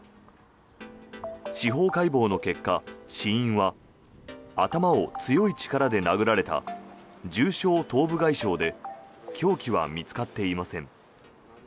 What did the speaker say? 司法解剖の結果、死因は頭を強い力で殴られた重症頭部外傷で凶器は見つかっていません。